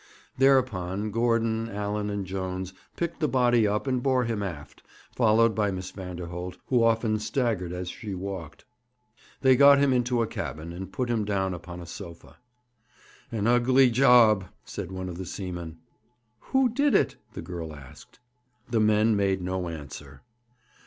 Thereupon, Gordon, Allan, and Jones picked the body up and bore him aft, followed by Miss Vanderholt, who often staggered as she walked. They got him into a cabin, and put him down upon a sofa. 'An ugly job!' said one of the seamen. 'Who did it?' the girl asked. The men made no answer.